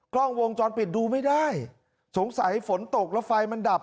กล้องวงจรปิดดูไม่ได้สงสัยฝนตกแล้วไฟมันดับ